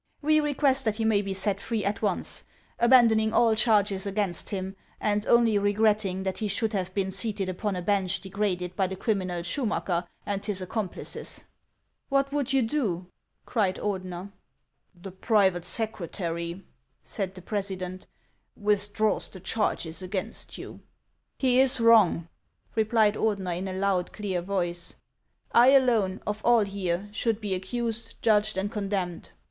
We request that he may be set free at once, abandon ing all charges against him, and only regretting that he should have been seated upon a bench degraded by the criminal Schumacker and his accomplices." " What would you do ?" cried Ordener. " The private secretary," said the president, " withdraws the charges against you." " He is wrong," replied Ordener, in a loud, clear voice ;" I alone of all here should be accused, judged, and con demned."